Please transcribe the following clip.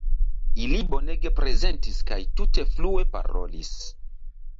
Ili bonege prezentis kaj tute flue parolis.